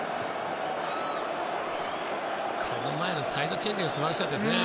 この前のサイドチェンジが素晴らしかったですね。